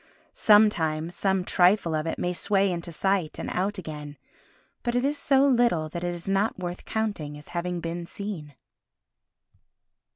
Sometimes, some trifle of it may sway into sight and out again, but it is so little that it is not worth counting as having been seen.